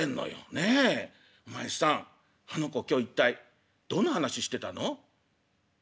ねえお前さんあの子今日一体どんな話してたの？」。